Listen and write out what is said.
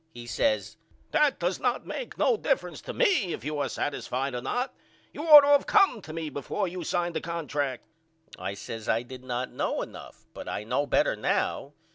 He says That does not make no difference to me if you are satisfied or not. You ought to of came to me before you signed a contract. I says I did not know enough but I know better now.